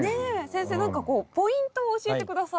先生何かこうポイントを教えて下さい。